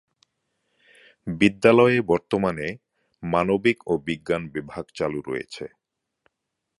বিদ্যালয়ে বর্তমানে মানবিক ও বিজ্ঞান বিভাগ চালু রয়েছে।